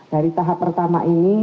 dari tahap pertanyaan